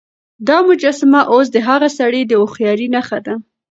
دا مجسمه اوس د هغه سړي د هوښيارۍ نښه ده.